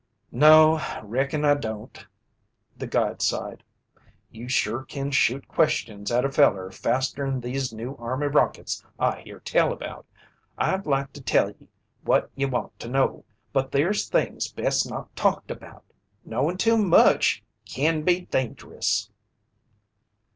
"No, reckon I don't," the guide sighed. "You sure kin shoot questions at a feller faster'n these new Army rockets I hear tell about. I'd like to tell ye what ye want to know, but there's things best not talked about. Knowin' too much kin be dangerous."